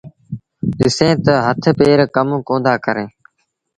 ڏسيٚݩ تآ هٿ پير ڪم ڪوندآ ڪريݩ۔